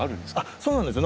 そうなんですよ。